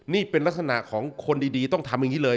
นี่เป็นลักษณะของคนดีต้องทำอย่างนี้เลย